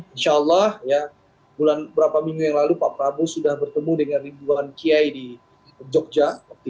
insya allah berapa minggu yang lalu pak prabowo sudah bertemu dengan ribuan kiai di jogja